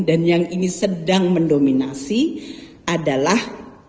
dan yang ini sedang mendominasi adalah